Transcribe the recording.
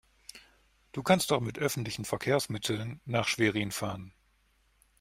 Du kannst doch mit öffentlichen Verkehrsmitteln nach Schwerin fahren